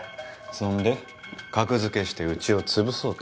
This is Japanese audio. そんで格付けしてうちを潰そうと？